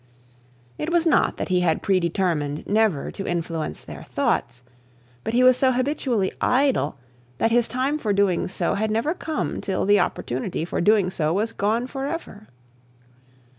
It was not that he had predetermined never to influence their thoughts; but he was so habitually idle that his time for doing so had never come till the opportunity for doing so was gone forever.